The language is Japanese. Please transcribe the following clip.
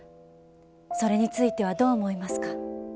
それについてはどう思いますか？